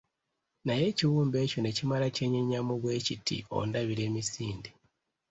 Naye ekiwumbe ekyo ne kimala kyenyeenyamu bwe kiti ondabira emisinde.